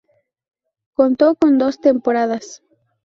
Contó con dos temporadas.